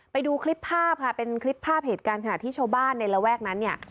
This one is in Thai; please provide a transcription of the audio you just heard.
ไปดูคลิปภาพค่ะเป็นคลิปภาพเหตุการณ์ขณะที่ชาวบ้านในระแวกนั้นเนี่ย